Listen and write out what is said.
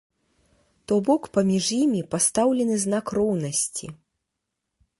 То бок паміж імі пастаўлены знак роўнасці.